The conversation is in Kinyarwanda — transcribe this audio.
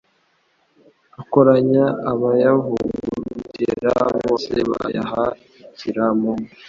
Akoranya abayavugutira, Bose bayaha ikiramo,